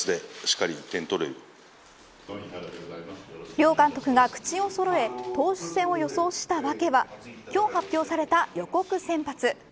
両監督が口をそろえ投手戦を予想したわけは今日発表された予告先発。